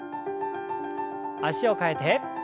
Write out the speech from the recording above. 脚を替えて。